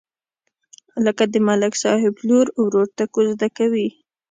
لکه د ملک صاحب لور ورور ته کوزده کوي.